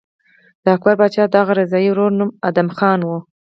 د اکبر پاچا د دغه رضاعي ورور نوم ادهم خان و.